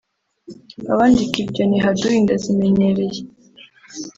Abandika ibyo ni haduyi ndazimenyereye